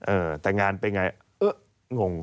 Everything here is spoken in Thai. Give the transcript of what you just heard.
เออแต่งานเป็นไงเอองง